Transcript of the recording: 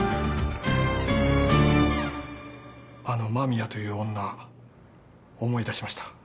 あの間宮という女思い出しました。